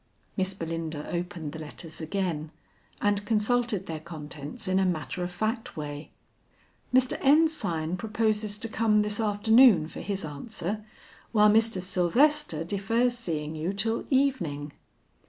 Miss Belinda opened the letters again and consulted their contents in a matter of fact way. "Mr. Ensign proposes to come this afternoon for his answer, while Mr. Sylvester defers seeing you till evening.